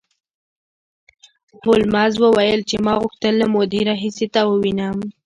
هولمز وویل چې ما غوښتل له مودې راهیسې تا ووینم